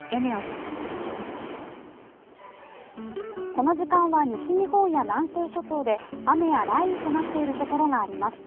この時間は、西日本や南西諸島で、雨や雷雨となっている所があります。